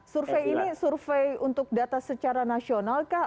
survei ini survei untuk data secara nasional kah